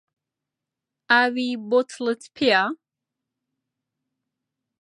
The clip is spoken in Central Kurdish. ئاوی بوتڵت پێیە؟